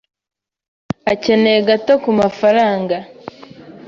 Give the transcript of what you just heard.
akenyeye gato kumafaranga.